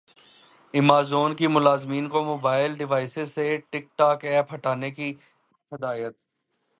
Amazon کی ملازمین کو موبائل ڈیوائسز سے ٹک ٹاک ایپ ہٹانے کی ہدایت